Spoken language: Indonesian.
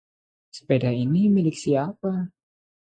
Sepeda ini milik siapa?